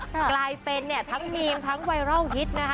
กลายเป็นทั้งเมมทั้งไวร่ล่าวฮิตนะฮะ